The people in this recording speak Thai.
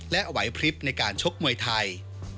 และไหวพลิบในการชกมวยไทย